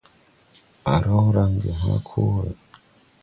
À raw range hãã kore.